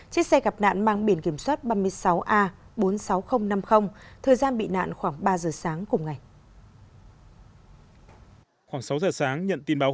chiếc xe gặp nạn mang biển kiểm soát ba mươi sáu a bốn mươi sáu nghìn năm mươi